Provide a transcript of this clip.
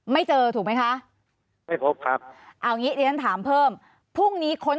ไม่เจอถูกไหมคะไม่พบครับเอางี้เดี๋ยวฉันถามเพิ่มพรุ่งนี้ค้น